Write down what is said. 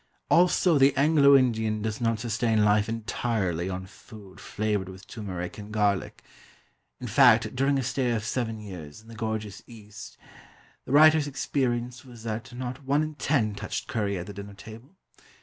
Also the Anglo Indian does not sustain life entirely on food flavoured with turmeric and garlic. In fact, during a stay of seven years in the gorgeous East, the writer's experience was that not one in ten touched curry at the dinner table.